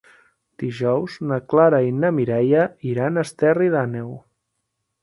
Dijous na Clara i na Mireia iran a Esterri d'Àneu.